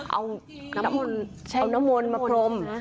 เอาน้ำมนต์มาพรม